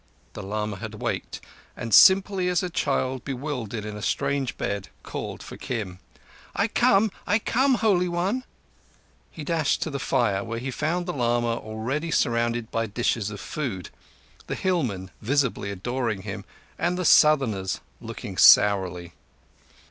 The lama had waked, and, simply as a child bewildered in a strange bed, called for Kim. "I come! I come, Holy One!" He dashed to the fire, where he found the lama already surrounded by dishes of food, the hillmen visibly adoring him and the Southerners looking sourly.